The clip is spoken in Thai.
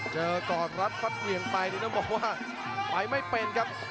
เจอก่อนรัดฟัดเหวี่ยงไปนี่ต้องบอกว่าไปไม่เป็นครับ